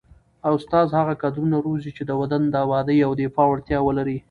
استاد هغه کدرونه روزي چي د وطن د ابادۍ او دفاع وړتیا ولري.